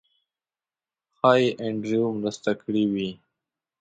ښایي انډریو مرسته کړې وي.